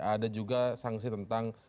ada juga sanksi tentang